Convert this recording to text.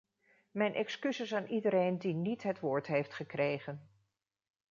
Mijn excuses aan iedereen die niet het woord heeft gekregen.